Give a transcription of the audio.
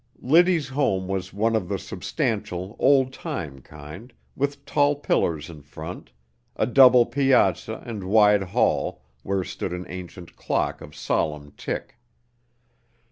Liddy's home was one of the substantial, old time kind, with tall pillars in front, a double piazza and wide hall, where stood an ancient clock of solemn tick.